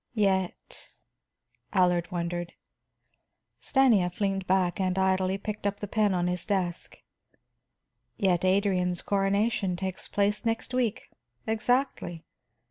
"Yet?" Allard wondered. Stanief leaned back and idly picked up the pen on his desk. "Yet Adrian's coronation takes place next week, exactly.